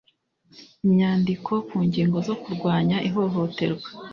Imyandiko ku ngingo zo kurwanya ihohoterwa.